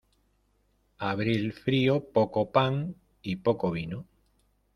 Abril frío, poco pan y poco vino.